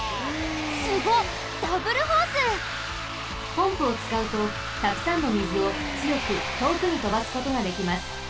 ポンプをつかうとたくさんのみずをつよくとおくにとばすことができます。